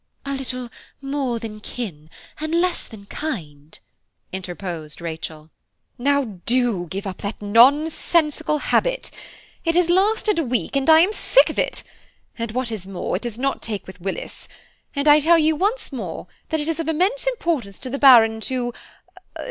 "A little more than kin and less than kind," interposed Rachel. "Now do give up that nonsensical habit–it has lasted a week and I am sick of it, and what is more, it does not take with Willis, and I tell you once more that it is of immense importance to the Baron to